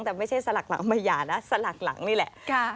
แต่ไม่ใช่สลักหลังมาหย่านะสลักหลังนี่แหละ